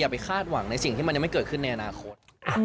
ไปคาดหวังในสิ่งที่มันยังไม่เกิดขึ้นในอนาคต